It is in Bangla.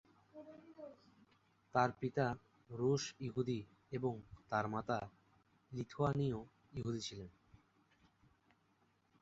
তার পিতা রুশ ইহুদি এবং তার মাতা লিথুয়ানীয় ইহুদি ছিলেন।